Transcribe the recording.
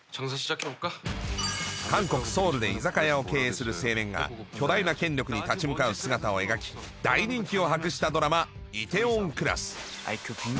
韓国ソウルで居酒屋を経営する青年が巨大な権力に立ち向かう姿を描き大人気を博したドラマ梨泰院クラス。